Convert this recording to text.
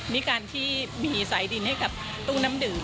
ด้วยการที่มีสายดินให้กับตู้น้ำดื่ม